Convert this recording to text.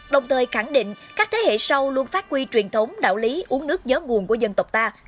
đồng thời khẳng định các thế hệ sau luôn phát huy truyền thống đạo lý uống nước nhớ nguồn của dân tộc ta